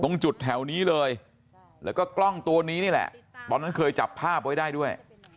ตรงจุดแถวนี้เลยแล้วก็กล้องตัวนี้นี่แหละตอนนั้นเคยจับภาพไว้ได้ด้วย